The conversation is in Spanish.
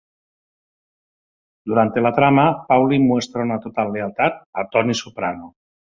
Durante la trama, Paulie muestra una total lealtad a Tony Soprano.